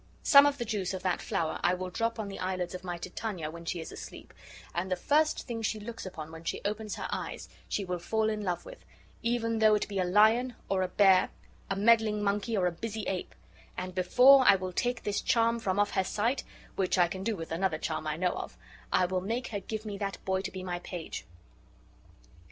Some of the juice of that flower I will drop on the eyelids of my Titania when she is asleep; and the first thing she looks upon when she opens her eyes she will fall in love with, even though it be a lion or a bear, a meddling monkey or a busy ape; and before I will take this charm from off her sight, which I can do with another charm I know of, I will make her give me that boy to be my page."